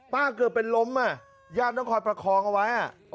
เกือบเป็นล้มอ่ะญาติต้องคอยประคองเอาไว้